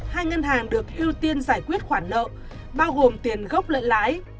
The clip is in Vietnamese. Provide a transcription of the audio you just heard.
hai ngân hàng được ưu tiên giải quyết khoản nợ bao gồm tiền gốc lẫn lãi